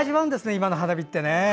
今の花火って。